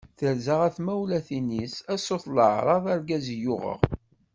Terza ɣer tmawlatin-is, a sut leɛraḍ argaz i uɣeɣ.